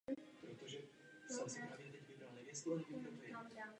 Byl zastáncem jednoty věd.